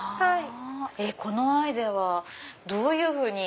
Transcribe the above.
このアイデアはどういうふうに。